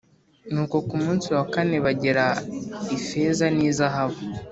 Nuko ku munsi wa kane bagera ifeza n izahabu